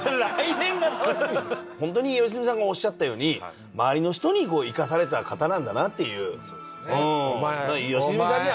ホントに良純さんもおっしゃったように周りの人に生かされた方なんだなっていう。